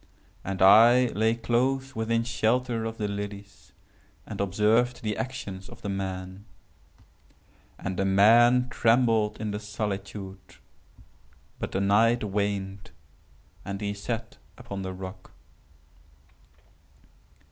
And I lay close within shelter of the lilies, and observed the actions of the man. And the man trembled in the solitude;—but the night waned, and he sat upon the rock.